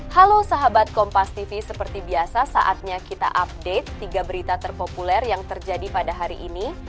halo sahabat kompas tv seperti biasa saatnya kita update tiga berita terpopuler yang terjadi pada hari ini